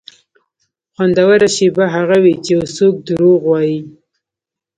خوندوره شېبه هغه وي چې یو څوک دروغ وایي.